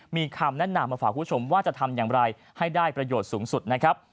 มีคำแนะนำมาฝากคุณผู้ชมว่าจะทำอย่างไรให้ได้ประโยชน์สูงสุดนะครับ